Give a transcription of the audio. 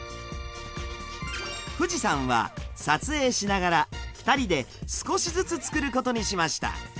富士山は撮影しながら２人で少しずつ作ることにしました。